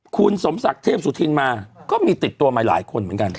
คุณสมศักดิ์เทพสุธินมาก็มีติดตัวมาหลายคนเหมือนกัน